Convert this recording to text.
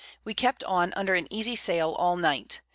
We kept on under an easy Sail all Night.